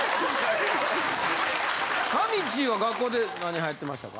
かみちぃは学校で何流行ってましたか？